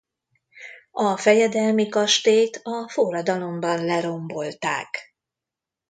A fejedelmi kastélyt a forradalomban lerombolták.